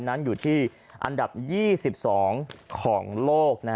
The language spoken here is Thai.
นั้นอยู่ที่อันดับ๒๒ของโลก